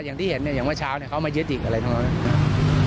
อย่างที่เห็นเนี้ยอย่างเมื่อเช้าเนี้ยเขามาเย็ดอีกอะไรทำลองเนี้ย